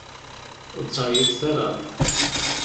Ur ttɛeggiḍet ara!